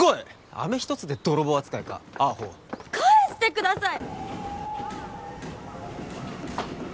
あめ一つで泥棒扱いかアホ返してください！